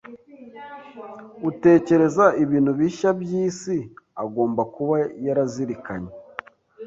utekereza ibintu bishya byisi agomba kuba yarazirikanye